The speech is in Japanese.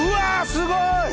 すごい！